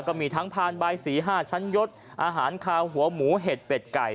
ก็มีทั้งพานใบสี๕ชั้นยศอาหารคาวหัวหมูเห็ดเป็ดไก่